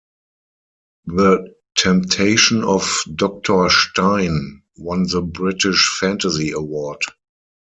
"The Temptation of Doctor Stein", won the British Fantasy Award.